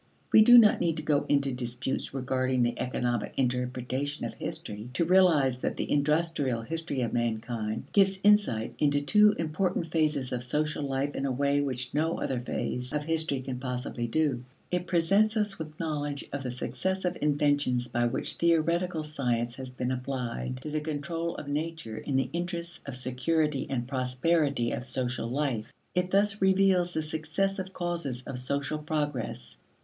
We do not need to go into disputes regarding the economic interpretation of history to realize that the industrial history of mankind gives insight into two important phases of social life in a way which no other phase of history can possibly do. It presents us with knowledge of the successive inventions by which theoretical science has been applied to the control of nature in the interests of security and prosperity of social life. It thus reveals the successive causes of social progress.